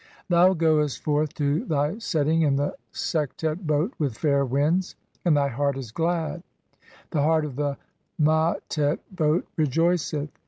Thou goest forth to thy setting in "the Sektet boat with [fair] winds, and thy heart is glad ; the "(4) heart of the Matet boat rejoiceth.